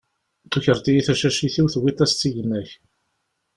Tukreḍ-iyi tacacit-iw, tewwiḍ-as-tt i gma-k.